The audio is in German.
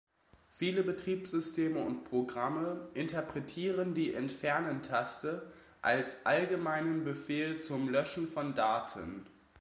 Viele Betriebssysteme und Programme interpretieren die Entfernen-Taste als allgemeinen Befehl zum Löschen von Daten.